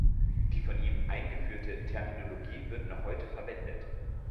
Die von ihm eingeführte Terminologie wird noch heute verwendet.